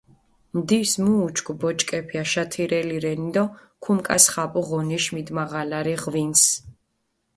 ნდის მუ უჩქუ ბოჭკეფი აშათირელი რენი დო ქუმკასხაპუ ღონეში მიდმაღალარი ღვინს.